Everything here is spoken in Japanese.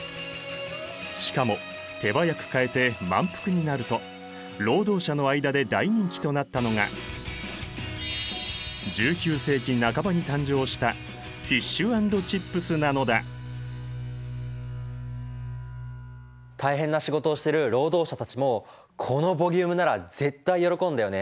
しかも手早く買えて満腹になると労働者の間で大人気となったのが１９世紀半ばに誕生した大変な仕事をしてる労働者たちもこのボリュームなら絶対喜んだよね。